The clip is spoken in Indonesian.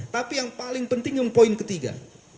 tapi yang paling penting yang poin ketiga